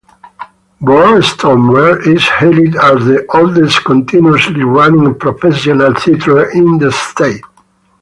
Barnstormers is hailed as the oldest continuously running professional theatre in the state.